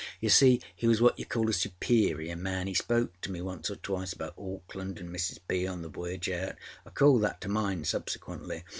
You see, he was what you call a superior man. âE spoke to me once or twice about Auckland and Mrs. B. on the voyage out. I called that to mind subsequently.